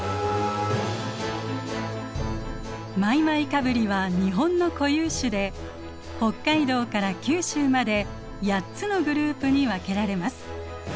マイマイカブリは日本の固有種で北海道から九州まで８つのグループに分けられます。